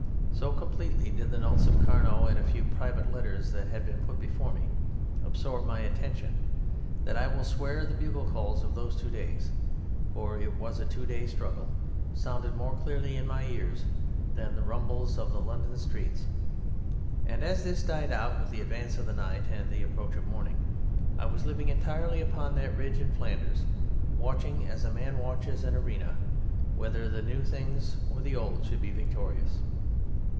So completely did the notes of Carnot and a few private letters that had been put before me absorb my attention that I will swear the bugle calls of those two days (for it was a two days' struggle) sounded more clearly in my ears than the rumble of the London streets, and, as this died out with the advance of the night and the approach of morning, I was living entirely upon that ridge in Flanders, watching, as a man watches an arena, whether the new things or the old should be victorious.